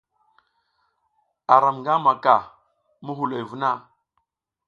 Aram nga maka muhuloy vuna?